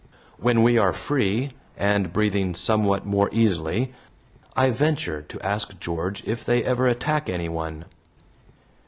When we are free, and breathing somewhat more easily, I venture to ask George if they ever attack anyone.